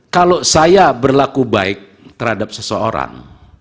kalau saya berlaku baik terhadap seseorang